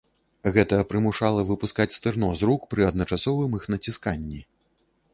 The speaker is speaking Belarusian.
Гэта прымушала выпускаць стырно з рук пры адначасовым іх націсканні.